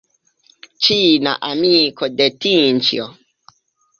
Ĉina amiko de Tinĉjo.